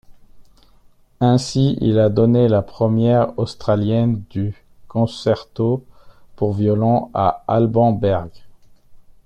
Ainsi il a donné la Première australienne du Concerto pour violon de Alban Berg.